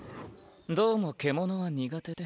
どうも獣は苦手で。